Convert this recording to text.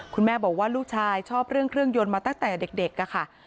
คุณแม่บอกว่าลูกชายชอบเรื่องเครื่องยนต์มาตั้งแต่เด็กค่ะ